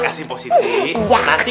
kalau mau kopi